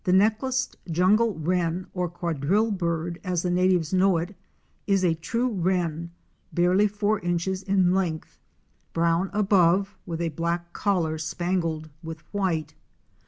(IN) [Apo fk 2 Pw oy com —| J The Necklaced Jungle Wren," or Quadrille bird as the natives know it, is a true Wren barely four inches in length, brown above, with a black collar spangled with white.